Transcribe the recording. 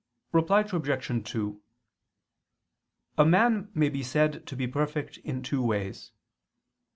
Reply Obj. 2: A man may be said to be perfect in two ways.